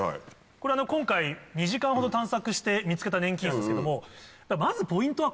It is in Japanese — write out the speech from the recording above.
これ今回２時間ほど探索して見つけた粘菌なんですけどもまずポイントは